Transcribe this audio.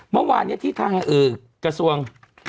เมื่อวานที่ตอนกระทรวง